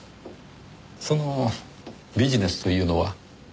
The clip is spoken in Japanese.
そのビジネスというのは？